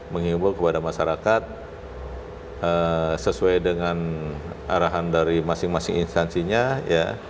mengimbau kepada masyarakat sesuai dengan arahan dari masing masing instansinya ya